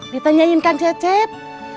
ditanyain kang cecep